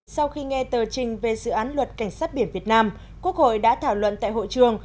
sau khi nghe tờ trình về dự án luật cảnh sát biển việt nam quốc hội đã thảo luận tại hội trường